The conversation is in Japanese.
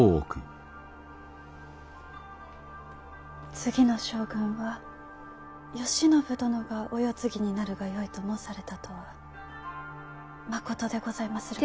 次の将軍は慶喜殿がお世継ぎになるがよいと申されたとはまことでございまするか？